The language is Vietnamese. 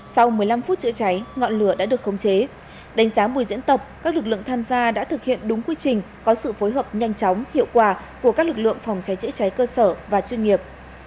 sau một mươi năm phút chữa cháy ngọn lửa đã được khống chế đánh giá buổi diễn tập các lực lượng tham gia đã thực hiện đúng quy trình có sự phối hợp nhanh chóng hiệu quả của các lực lượng phòng cháy chữa cháy cơ sở và chuyên nghiệp